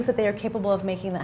dan hal hal yang mereka bisa lakukan